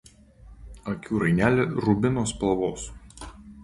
Akių rainelė rubino spalvos.